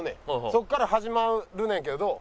そこから始まるねんけど。